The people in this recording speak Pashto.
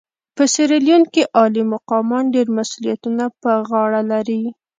په سیریلیون کې عالي مقامان ډېر مسوولیتونه پر غاړه لري.